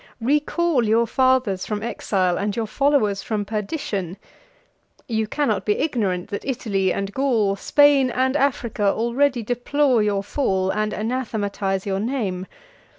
Recall your fathers from exile, and your followers from perdition. You cannot be ignorant, that Italy and Gaul, Spain and Africa, already deplore your fall, and anathematize your name.